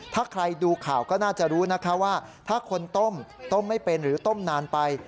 ถ้าใครดูข่าวก็น่าจะรู้นะคะว่าถ้าคนต้มต้มไม่เป็นหรือต้มนานไป